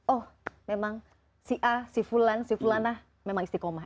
oh memang si a si fulan si fulanah memang istiqomah